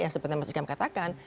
seperti yang masih dikatakan